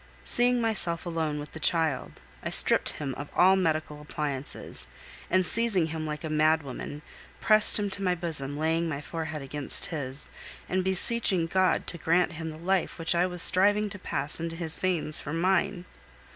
Seeing myself alone with the child, I stripped him of all medical appliances, and seizing him like a mad woman, pressed him to my bosom, laying my forehead against his, and beseeching God to grant him the life which I was striving to pass into his veins from mine.